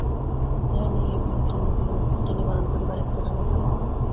ধ্যানই এই বৃহৎ তরঙ্গগুলির উৎপত্তি নিবারণ করিবার এক প্রধান উপায়।